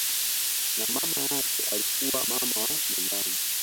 Na mama yake alikuwa mama wa nyumbani